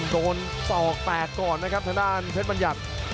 ศอกแตกก่อนนะครับทางด้านเพชรบัญญัติ